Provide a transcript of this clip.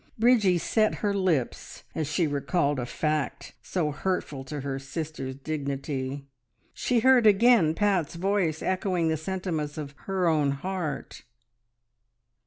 Bridgie set her lips as she recalled a fact so hurtful to her sister's dignity. She heard again Pat's voice, echoing the sentiments of her own heart.